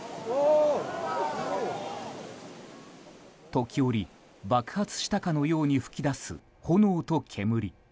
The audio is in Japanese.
時折、爆発したかのように噴き出す炎と煙。